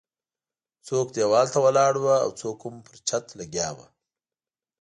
څوک ديوال ته ولاړ وو او څوک هم پر چت لګیا وو.